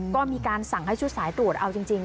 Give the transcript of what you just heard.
ก็มีการสั่งให้ชุดสายตรวจเอาจริง